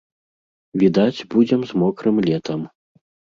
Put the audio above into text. Відаць, будзем з мокрым летам.